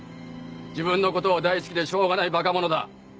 自分のことを大好きでしょうがないバカ者だ。